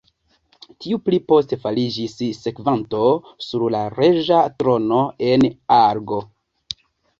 Tiu pli poste fariĝis sekvanto sur la reĝa trono en Argo.